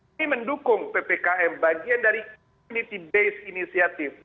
ini mendukung ppkm bagian dari community based initiative